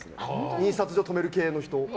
印刷所止める系の人。